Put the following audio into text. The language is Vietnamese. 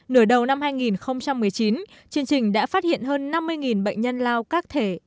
nửa đầu năm hai nghìn một mươi chín chương trình đã phát hiện hơn năm mươi bệnh nhân lao các thể